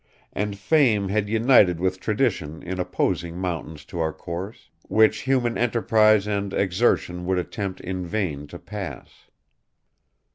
And fame had united with tradition in opposing mountains to our course, which human enterprize and exertion would attempt in vain to pass.